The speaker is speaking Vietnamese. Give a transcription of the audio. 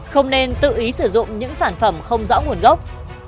không nên tự ý sử dụng những sản phẩm không rõ nguồn gốc